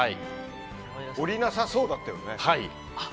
下りなさそうだったよね。